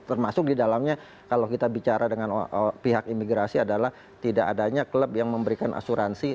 termasuk di dalamnya kalau kita bicara dengan pihak imigrasi adalah tidak adanya klub yang memberikan asuransi